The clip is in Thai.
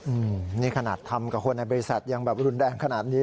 อืมนี่ขนาดทำกับคนในบริษัทยังแบบรุนแรงขนาดนี้